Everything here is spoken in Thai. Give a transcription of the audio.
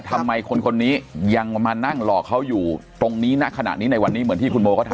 ทำไมคนคนนี้ยังมานั่งหลอกเขาอยู่ตรงนี้ณขณะนี้ในวันนี้เหมือนที่คุณโบก็ทำ